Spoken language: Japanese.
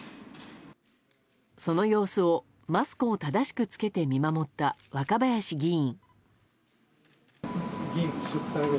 その様子をマスクを正しく着けて見守った若林議員。